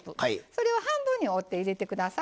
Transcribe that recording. それを半分に折って入れて下さい。